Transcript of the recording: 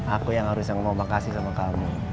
aku yang harus yang mau makasih sama kamu